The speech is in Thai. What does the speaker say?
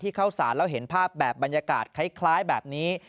เข้าสารแล้วเห็นภาพแบบบรรยากาศคล้ายแบบนี้